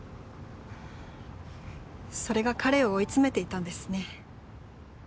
それが彼を追い詰めていたんですね。